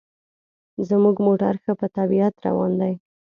زموږ موټر ښه په طبیعت روان دی.